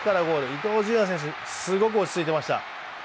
伊東純也選手、すごく落ち着いてました。